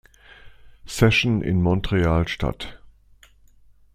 Session in Montreal statt.